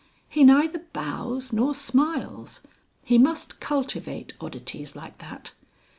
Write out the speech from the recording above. "He neither bows nor smiles. He must cultivate oddities like that.